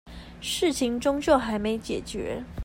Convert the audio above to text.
事情終究還沒解決